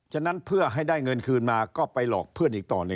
นั้นเพื่อให้ได้เงินคืนมาก็ไปหลอกเพื่อนอีกต่อหนึ่ง